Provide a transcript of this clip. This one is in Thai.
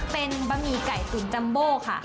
เป็นบะหมี่ไก่ตุ๋นจัมโบค่ะ